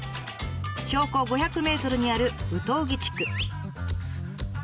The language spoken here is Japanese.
標高５００ｍにある有東木地区。